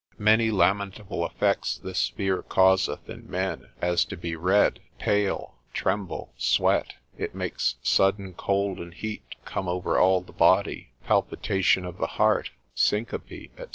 Many lamentable effects this fear causeth in men, as to be red, pale, tremble, sweat, it makes sudden cold and heat to come over all the body, palpitation of the heart, syncope, &c.